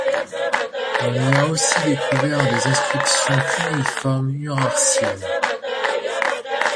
On y a aussi découvert des inscriptions cunéiformes urartiennes.